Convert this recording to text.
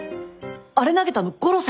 あれ投げたの悟郎さんだったの！？